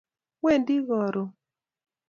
Wendi karon